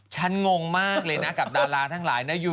ฉันงงมากเลยนะกับดาราทั้งหลาย